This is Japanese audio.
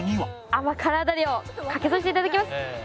甘辛ダレをかけさせて頂きます。